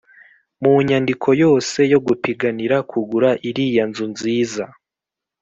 Mu nyandiko yose yo gupiganira kugura iriya nzu nziza